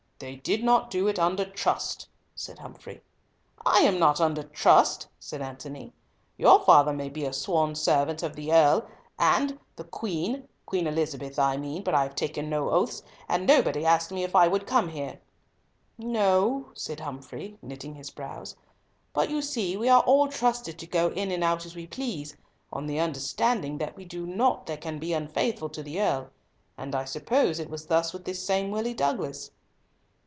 "They did not do it under trust," said Humfrey. "I am not under trust," said Antony. "Your father may be a sworn servant of the Earl and, the Queen—Queen Elizabeth, I mean; but I have taken no oaths—nobody asked me if I would come here." "No," said Humfrey, knitting his brows, "but you see we are all trusted to go in and out as we please, on the understanding that we do nought that can be unfaithful to the Earl; and I suppose it was thus with this same Willie Douglas."